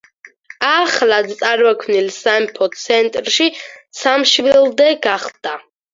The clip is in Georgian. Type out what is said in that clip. ახლად წარმოქმნილი სამეფოს ცენტრი სამშვილდე გახდა.